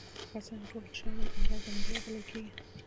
که څه هم ټول شام ارض الانبیاء بلل کیږي.